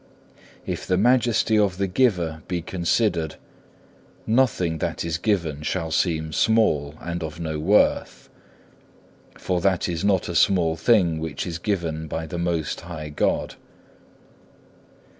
If the majesty of the Giver be considered, nothing that is given shall seem small and of no worth, for that is not a small thing which is given by the Most High God.